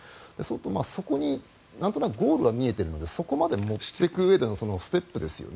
そこになんとなくゴールが見えているのでそこまで持っていくうえでのステップですよね。